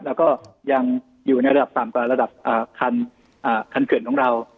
แล้วก็ยังอยู่ในระดับต่ำกว่าระดับคันเขื่อนของเรา